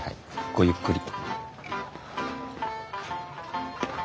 ごゆっくり。